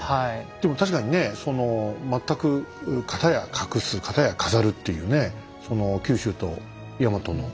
でも確かにね全く片や隠す片や飾るっていうねそうなんですよ